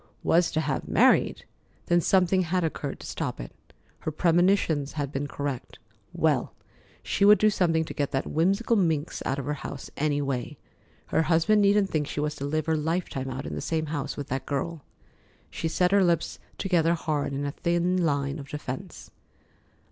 "Was to have married!" Then something had occurred to stop it. Her premonitions had been correct. Well, she would do something to get that whimsical minx out of her house, any way. Her husband needn't think she was to live her lifetime out in the same house with that girl. She set her lips together hard in a thin line of defence.